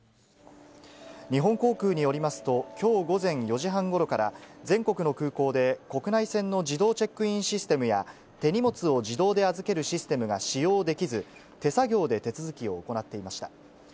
日本航空によりますと、きょう午前４時半ごろから、全国の空港で、国内線の自動チェックインシステムや、手荷物を自動で預けるシステムが使用できず、手作業で手続きを行っていました。